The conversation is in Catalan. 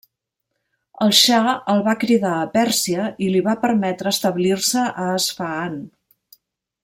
El xa el va cridar a Pèrsia i li va permetre establir-se a Esfahan.